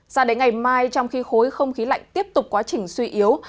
sao đến ngày mai trong khi khối không khí lạnh tiếp tục quá trình suy yếu